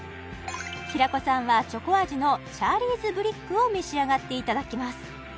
平子さんはチョコ味のチャーリーズブリックを召し上がっていただきます